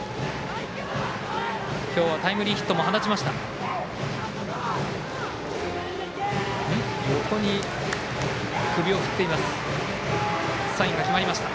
今日はタイムリーヒットも放ちました。